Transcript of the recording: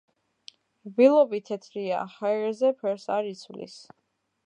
რბილობი თეთრია, ჰაერზე ფერს არ იცვლის.